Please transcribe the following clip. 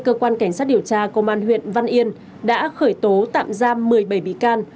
cơ quan cảnh sát điều tra công an huyện văn yên đã khởi tố tạm giam một mươi bảy bị can